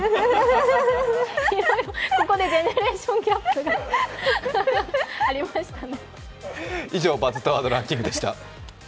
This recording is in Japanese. ここでジェネレーションギャップがありましたね。